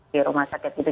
di rumah sakit gitu